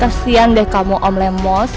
kasihan deh kamu om lemos